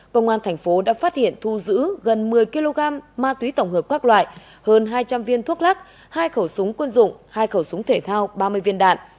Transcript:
công an thành phố đã phát hiện thu giữ gần một mươi kg ma túy tổng hợp các loại hơn hai trăm linh viên thuốc lắc hai khẩu súng quân dụng hai khẩu súng thể thao ba mươi viên đạn